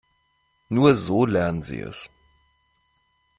Nur so lernen sie es.